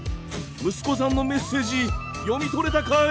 息子さんのメッセージ読み取れたかい？